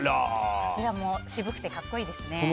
こちらも渋くて格好いいですね。